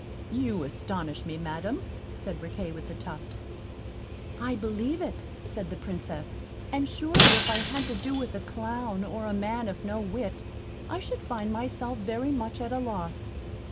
"You astonish me, Madam," said Riquet with the Tuft. "I believe it," said the Princess, "and surely if I had to do with a clown, or a man of no wit, I should find myself very much at a loss.